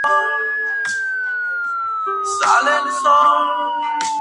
Los partidos pequeños registraron claras ganancias.